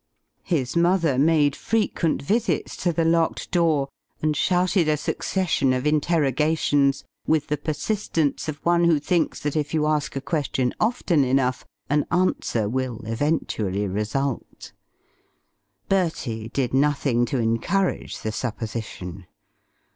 His mother made frequent visits to the locked door and shouted a succession of interrogations with the persistence of one who thinks that if you ask a question often enough an answer will eventually result. Bertie did nothing to encourage the supposition.